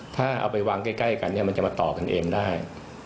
ถ้าเอาไปวางใกล้กันเนี่ยมันจะมาต่อกันเองได้